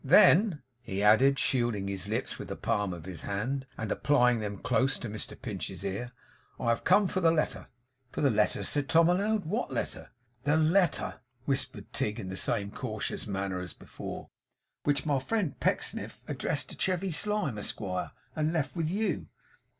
'Then,' he added, shielding his lips with the palm of his hand, and applying them close to Mr Pinch's ear, 'I have come for the letter.' 'For the letter,' said Tom, aloud. 'What letter?' 'The letter,' whispered Tigg in the same cautious manner as before, 'which my friend Pecksniff addressed to Chevy Slyme, Esquire, and left with you.